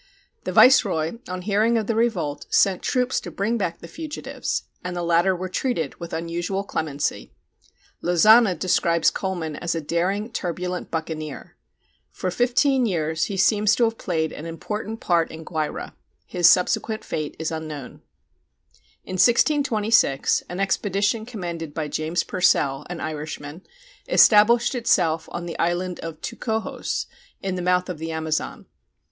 The viceroy, on hearing of the revolt, sent troops to bring back the fugitives, and the latter were treated with unusual clemency. Lozana describes Colman as a daring, turbulent buccaneer. For fifteen years he seems to have played an important part in Guayra; his subsequent fate is unknown. In 1626 an expedition commanded by James Purcell, an Irishman, established itself on the island of Tocujos, in the mouth of the Amazon.